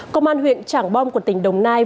công an huyện trảng bom của tỉnh đồng nai